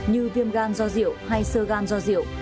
như viêm gan do rượu hay sơ gan do rượu